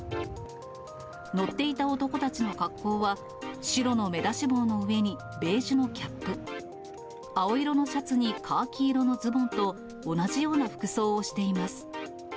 乗っていた男たちの格好は、白の目出し帽の上にベージュのキャップ、青色のシャツにカーキ色のズボンと、同じような服装をしています。